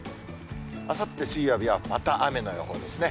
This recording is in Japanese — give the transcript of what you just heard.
あさって水曜日は、また雨の予報ですね。